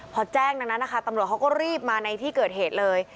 พอแจ้งดังนั้นนะคะตำรวจเขาก็รีบมาในที่เกิดเหตุเลย